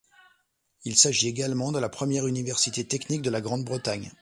Il s'agit également de la première université technique de la Grande-Bretagne.